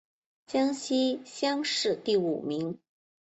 江西乡试第五名。